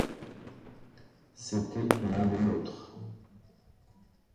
C'était l'un des nôtres.